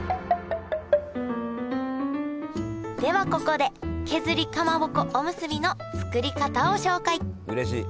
ではここで削りかまぼこおむすびの作り方を紹介うれしい！